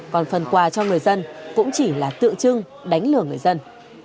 còn phần quà cho người dân cũng chỉ là tự trưng đánh lừa người dân